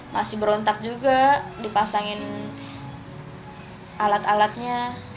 masih berontak juga dipasangin alat alatnya